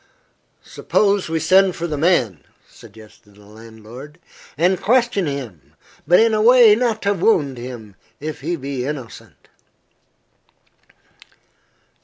"Suppose we send for the man," suggested the landlord, "and question him, but in a way not to wound him, if he be innocent."